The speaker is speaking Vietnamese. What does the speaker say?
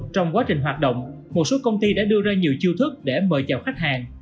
trong quá trình hoạt động một số công ty đã đưa ra nhiều chiêu thức để mời chào khách hàng